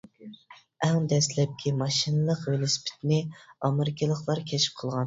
ئەڭ دەسلەپكى ماشىنىلىق ۋېلىسىپىتنى ئامېرىكىلىقلار كەشىپ قىلغان.